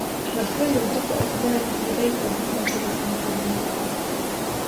За хвилю група озброєних людей пробігла через її подвір'я.